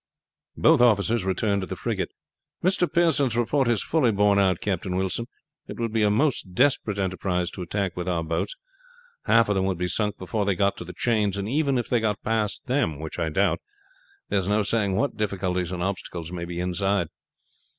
Both returned to the frigate. "Mr. Pearson's report is fully borne out, Captain Wilson. It would be a most desperate enterprise to attack with our boats. Half of them would be sunk before they got to the chains; and even if they got past them, which I doubt, there is no saying what difficulties and obstacles may be inside."